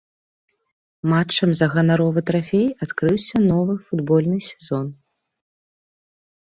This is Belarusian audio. Матчам за ганаровы трафей адкрыўся новы футбольны сезон.